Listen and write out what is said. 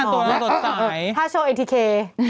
ตัวละตัวตายถ้าโชว์เอทีเค